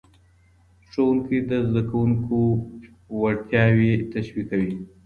ښوونکی د زدهکوونکو وړتیاوې تشویقوي.